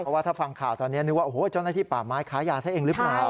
เพราะว่าถ้าฟังข่าวตอนนี้นึกว่าโอ้โหเจ้าหน้าที่ป่าไม้ค้ายาซะเองหรือเปล่า